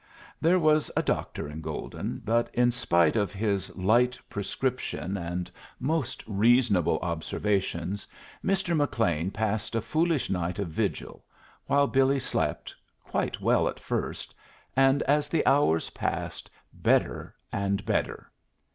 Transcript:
There was a doctor in Golden; but in spite of his light prescription and most reasonable observations, Mr. McLean passed a foolish night of vigil, while Billy slept, quite well at first, and, as the hours passed, better and better.